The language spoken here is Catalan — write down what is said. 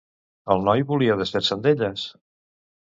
El noi volia desfer-se d'elles?